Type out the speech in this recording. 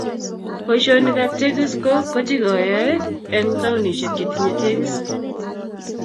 Boisionikab tekis ko kechikoyoe eng taonisiek chetinyei tekis